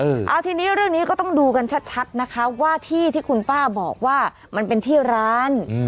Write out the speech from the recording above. เอาทีนี้เรื่องนี้ก็ต้องดูกันชัดชัดนะคะว่าที่ที่คุณป้าบอกว่ามันเป็นที่ร้านอืม